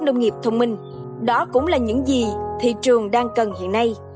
nông nghiệp thông minh đó cũng là những gì thị trường đang cần hiện nay